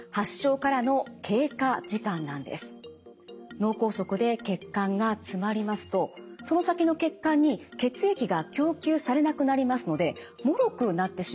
脳梗塞で血管が詰まりますとその先の血管に血液が供給されなくなりますのでもろくなってしまうんです。